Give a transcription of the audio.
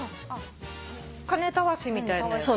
金たわしみたいなやつ？